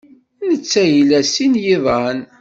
Netta ila sin n yiḍan.